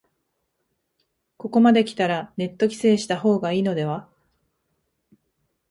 ここまできたらネット規制した方がいいのでは